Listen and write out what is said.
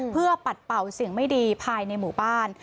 เพื่อปัดเป่าสิ่งไม่ดีภายในหมู่บ้าน